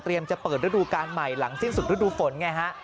จะเปิดฤดูการใหม่หลังสิ้นสุดฤดูฝนไงฮะ